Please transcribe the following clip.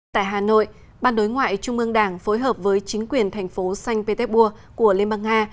tại hà nội ban đối ngoại trung ương đảng phối hợp với chính quyền thành phố sanh petersburg của liên bang nga